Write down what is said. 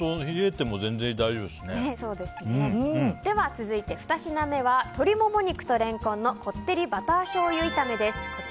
冷えてもでは続いて、２品目は鶏モモ肉とレンコンのこってりバターしょうゆ炒めです。